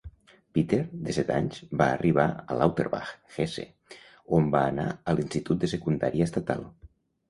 Peter, de set anys, va arribar a Lauterbach, Hesse, on va anar a l'institut de secundària estatal.